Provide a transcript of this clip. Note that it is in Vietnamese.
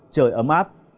trời ấm áp